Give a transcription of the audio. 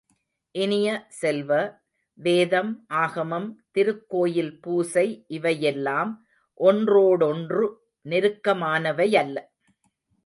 இனிய செல்வ, வேதம், ஆகமம், திருக்கோயில் பூசை இவையெல்லாம் ஒன்றோடொன்று நெருக்கமானவையல்ல.